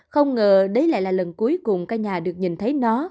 không ngờ đấy lại là lần cuối cùng căn nhà được nhìn thấy nó